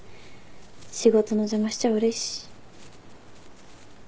仕事の邪魔しちゃ悪いし。